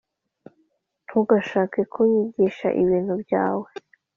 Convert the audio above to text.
Ntugashake kunyigisha ibintu byawe